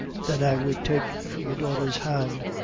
Then I would take Foedora's hand.